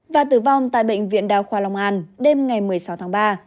và tử vong tại bệnh viện đa khoa long an đêm ngày một mươi sáu tháng ba